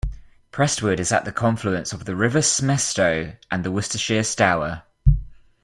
Prestwood is at the confluence of the River Smestow and the Worcestershire Stour.